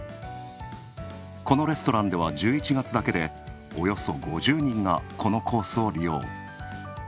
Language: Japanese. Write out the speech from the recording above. このレストランでは１１月だけで、およそ５０人がこのコースを利用。